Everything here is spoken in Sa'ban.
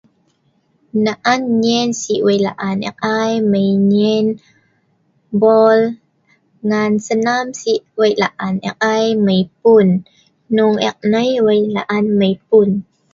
naan nyen sik weik la'an ek ai mei nyen bol ngan senam sik weik la'an ek ai mei pun hnung ek nai weik la'an mei pun